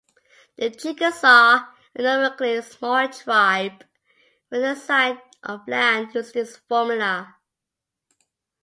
The Chickasaw, a numerically small tribe, were assigned of land using this formula.